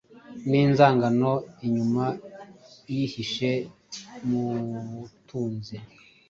ninzangano inyuma yihishe mubutunzi